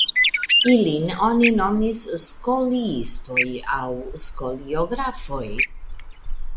Ilin oni nomis "skoliistoj" aŭ "skoliografoj".